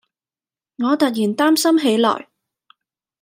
我突然擔心起來